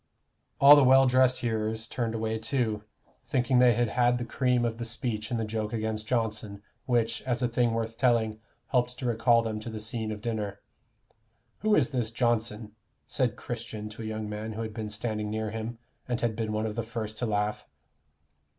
All the well dressed hearers turned away too, thinking they had had the cream of the speech in the joke against Johnson, which, as a thing worth telling, helped to recall them to the scene of dinner. "Who is this Johnson?" said Christian to a young man who had been standing near him, and had been one of the first to laugh.